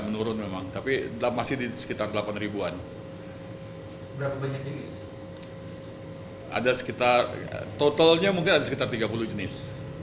menurun memang tapi dalam masih di sekitar delapan ribuan ada sekitar totalnya mungkin ada sekitar tiga puluh jenis